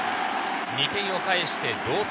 ２点を返して同点。